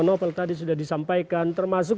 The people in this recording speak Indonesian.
novel tadi sudah disampaikan termasuk